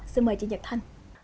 xin mời chị nhật thanh